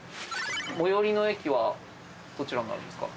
最寄の駅はどちらになるんですか？